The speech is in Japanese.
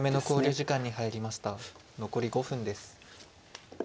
残り５分です。